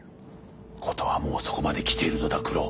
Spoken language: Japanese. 事はもうそこまで来ているのだ九郎。